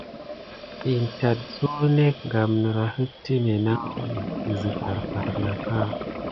In tät suk nek gam niraki timé naku dezi farfar naka.